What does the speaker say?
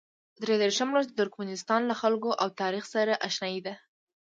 درې دېرشم لوست د ترکمنستان له خلکو او تاریخ سره اشنايي ده.